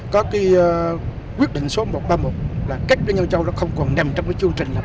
có quyết định số một trăm ba mươi một là cách với nhân châu nó không còn nằm trong chương trình bảy